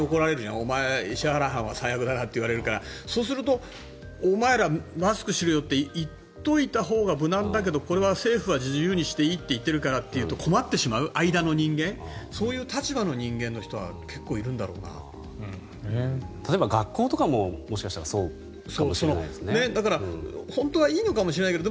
お前ら石原班は最悪だなと言われるからそうするとお前ら、マスクしろよって言っておいたほうが無難だけど、これは政府は自由にしていいって言っているからっていうと困ってしまう間の人間そういう立場の人間は例えば、学校とかももしかしたらそうかもしれないですね。